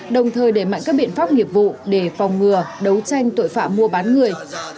đồng thời đẩy mạnh các biện pháp nghiệp vụ để phòng ngừa đấu tranh tội phạm mua bán người